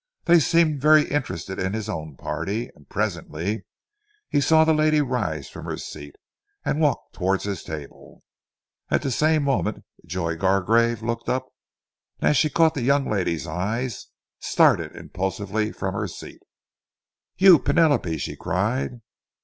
They seemed very interested in his own party, and presently he saw the lady rise from her seat and walk towards his table. At the same moment Joy Gargrave looked up, and as she caught the young lady's eyes, started impulsively from her seat. "You, Penelope!" she cried.